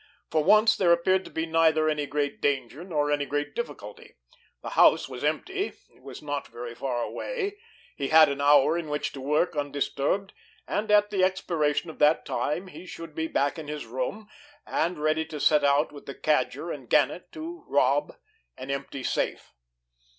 For once, there appeared to be neither any great danger, nor any great difficulty. The house was empty; it was not very far away; he had an hour in which to work undisturbed; and at the expiration of that time he should be back in his room, and ready to set out with the Cadger and Gannet to rob an empty safe.